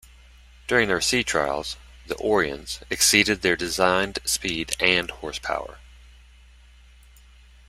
During their sea trials, the "Orion"s exceeded their designed speed and horsepower.